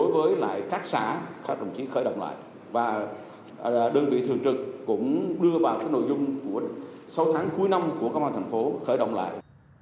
và đơn vị thường trực cũng đưa vào nội dung của sáu tháng cuối năm của công an tp hcm khởi động lại